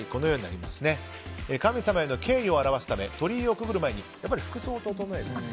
神様への敬意を表すため鳥居をくぐる前に服装を整えると。